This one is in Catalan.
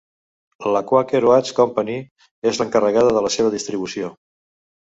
La Quaker Oats Company és l'encarregada de la seva distribució.